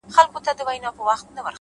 له تېرو زده کړه راتلونکی روښانوي،